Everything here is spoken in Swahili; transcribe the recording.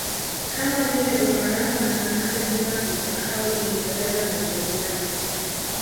Kama vile Ufaransa na Canada bila kuisahau Uingereza na Ujerumani